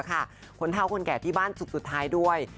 คนเท่าคนแก่ที่บ้านสุขสุดท้ายด้วย